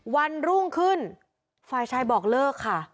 วันรุ่งขึ้นฝ่ายชายบอกเลิกค่ะ